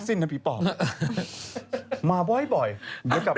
เดี๋ยวพี่หนูมาเล่าให้ฟังมาบ่อย